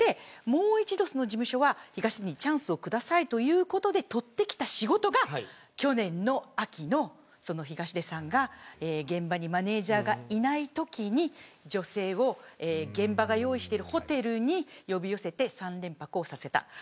もう一度その事務所は東出にチャンスをくださいということで、取ってきた仕事が去年の秋の東出さんが現場にマネジャーがいないときに女性を現場が用意してるホテルに呼び寄せて３連泊をさせた。